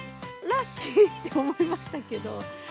ラッキーって思いましたけど。